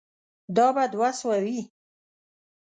دا به دوه سوه وي.